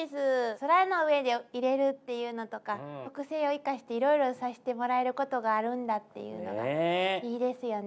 空の上でいれるっていうのとか特性を生かしていろいろさしてもらえることがあるんだっていうのがいいですよね。